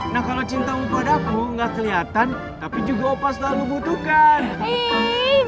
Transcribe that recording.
nah kalo cintamu pada apa gak keliatan tapi juga opah selalu butuhkan